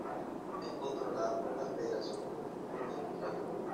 Es controlada por la Federación de Fútbol de Australia.